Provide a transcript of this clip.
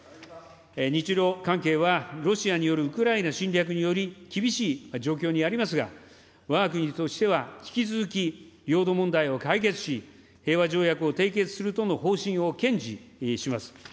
日ロ関係は、ロシアによるウクライナ侵略により厳しい状況にありますが、わが国としては引き続き、領土問題を解決し、平和条約を締結するとの方針を堅持します。